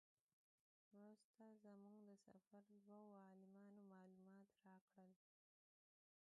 وروسته زموږ د سفر دوو عالمانو معلومات راکړل.